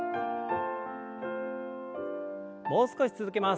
もう少し続けます。